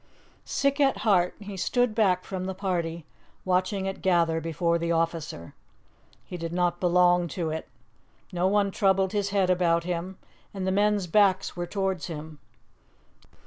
Sick at heart, he stood back from the party, watching it gather before the officer. He did not belong to it; no one troubled his head about him, and the men's backs were towards him.